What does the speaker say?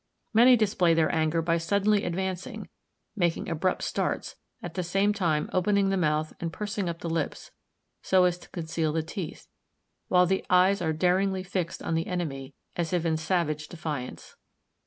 Many display their anger by suddenly advancing, making abrupt starts, at the same time opening the mouth and pursing up the lips, so as to conceal the teeth, while the eyes are daringly fixed on the enemy, as if in savage defiance.